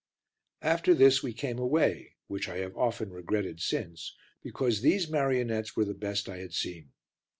After this we came away, which I have often regretted since, because these marionettes were the best I had seen.